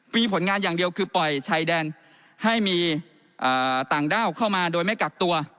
มีผลงานอย่างเดียวคือปล่อยชายแดนให้มีต่างด้าวเข้ามาโดยไม่กักตัว